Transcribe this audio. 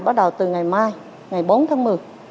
bắt đầu từ ngày mai ngày bốn tháng một mươi